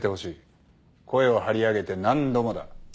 声を張り上げて何度もだ。